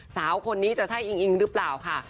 สาวคนนี้จะใช่อิงอิงหรือเปล่าค่ะ